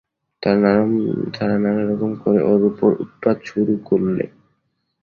তারা নানা রকম করে ওর উপর উৎপাত শুরু করলে।